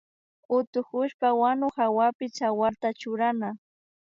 Utukushpa wanu hawapi tsawarta churana